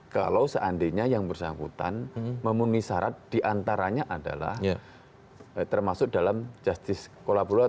kalau seandainya yang bersangkutan memenuhi syarat diantaranya adalah termasuk dalam justice collaborator